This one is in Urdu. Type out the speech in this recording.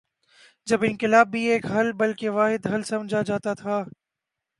جب انقلاب بھی ایک حل بلکہ واحد حل سمجھا جاتا تھا۔